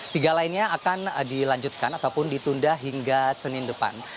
tiga lainnya akan dilanjutkan ataupun ditunda hingga senin depan